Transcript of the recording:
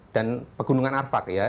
dan pegunungan arfak ya